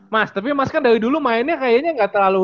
mas tapi mas kan dari dulu mainnya kayaknya nggak terlalu